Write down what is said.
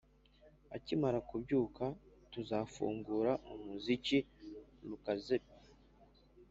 akimara kubyuka, tuzafungura umuziki. lukaszpp